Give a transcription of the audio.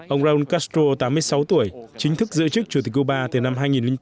ông raul castro tám mươi sáu tuổi chính thức giữ chức chủ tịch cuba từ năm hai nghìn tám